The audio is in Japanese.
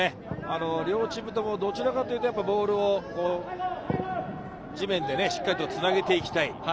両チームともどちらかというと、ボールを地面でしっかりとつなげていきたい。